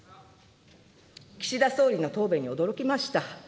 岸田総理の答弁に驚きました。